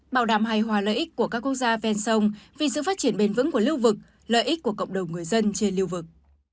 bảo đảm hài hòa lợi ích của các quốc gia ven sông vì sự phát triển bền vững của lưu vực lợi ích của cộng đồng người dân trên lưu vực